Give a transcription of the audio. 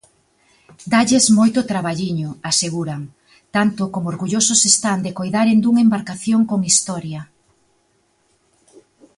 Dálles moito traballiño, aseguran, tanto como orgullosos están de coidaren dunha embarcación con historia.